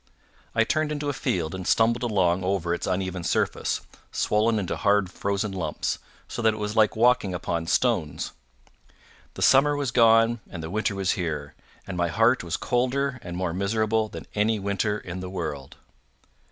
I turned into a field, and stumbled along over its uneven surface, swollen into hard frozen lumps, so that it was like walking upon stones. The summer was gone and the winter was here, and my heart was colder and more miserable than any winter in the world.